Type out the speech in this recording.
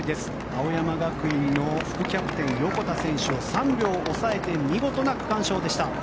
青山学院、副キャプテン横田選手を３秒抑えて見事な区間賞でした。